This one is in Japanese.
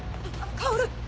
薫？